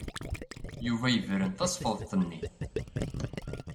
Yuba yebren tasfeḍt-nni.